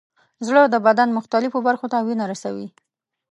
زړه د بدن مختلفو برخو ته وینه رسوي.